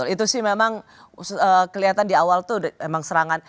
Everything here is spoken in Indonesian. itu sih memang kelihatan di awal tuh emang serangan